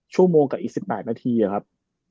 ชั่วโมงกับอีก๑๘นาทีครับ